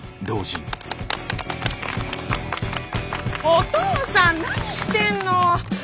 お父さん何してんの！